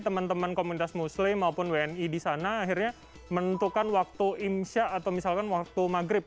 teman teman komunitas muslim maupun wni di sana akhirnya menentukan waktu imsya atau misalkan waktu maghrib